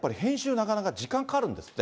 なかなか時間かかるんですって。